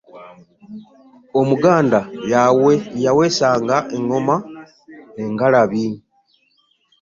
omuganda yawesanga enggoma engalabi